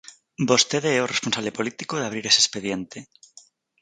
Vostede é o responsable político de abrir ese expediente.